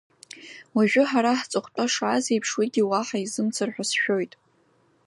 Уажәы ҳара ҳҵыхәтәа шааз еиԥш уигьы уаҳа изымцар ҳәа сшәоит.